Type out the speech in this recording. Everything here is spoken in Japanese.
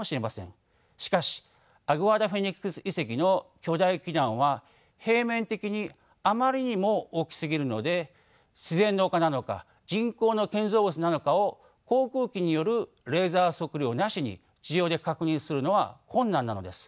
しかしアグアダ・フェニックス遺跡の巨大基壇は平面的にあまりにも大きすぎるので自然の丘なのか人工の建造物なのかを航空機によるレーザー測量なしに地上で確認するのは困難なのです。